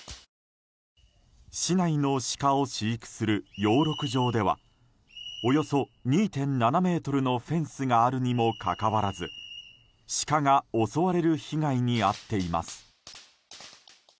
市内のシカを飼育する養鹿場ではおよそ２．７ｍのフェンスがあるにもかかわらずシカが襲われる被害に遭っています。